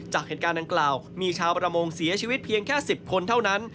จากเหตุการณ์ดังกล่าวมีชาวประมงเสียชีวิตเพียงแค่๑๐คนเท่านั้น